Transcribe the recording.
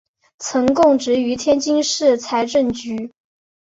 曾供职于天津市财政局。